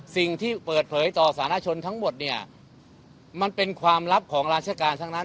สิ่งที่เปิดเผยต่อสารชนทั้งหมดเนี่ยมันเป็นความลับของราชการทั้งนั้น